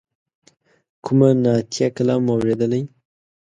کوم نعتیه کلام مو اوریدلی.